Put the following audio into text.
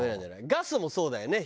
ガスもそうだよね。